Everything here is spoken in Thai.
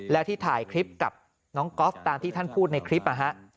แล้วที่ถ่ายคลิปกับน้องก๊อฟตามที่ท่านพูดในคลิป